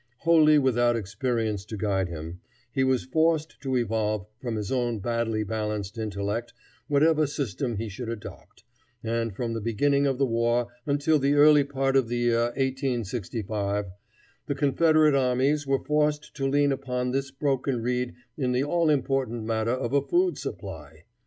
Wholly without experience to guide him, he was forced to evolve from his own badly balanced intellect whatever system he should adopt, and from the beginning of the war until the early part of the year 1865, the Confederate armies were forced to lean upon this broken reed in the all important matter of a food supply.